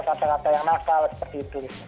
kata kata yang nakal seperti itu